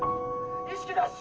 意識なし！